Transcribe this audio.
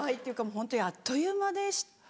ホントにあっという間でした。